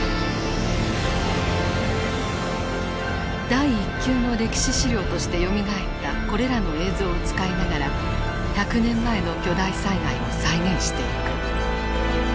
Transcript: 第一級の歴史資料としてよみがえったこれらの映像を使いながら１００年前の巨大災害を再現していく。